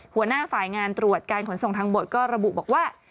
หัวหน้าฝ่ายงานตรวจการขนส่งทางบกก็ระบุบอกว่า